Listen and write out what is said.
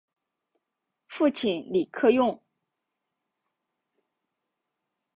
父亲李克用。